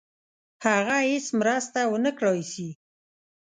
هغه هیڅ مرسته ونه کړای سي.